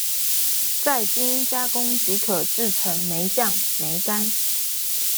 再經加工即可製成梅醬、梅乾